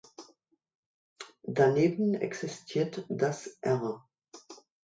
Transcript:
Daneben existiert das "R.